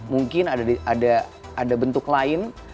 mungkin ada bentuk lain